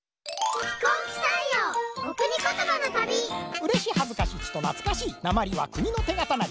うれしはずかしちとなつかしいなまりは国のてがたなり。